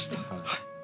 はい。